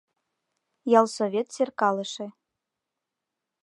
Ялсовет серкалыше.